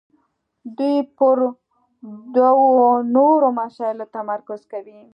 دوی پر دوو نورو مسایلو تمرکز کوي.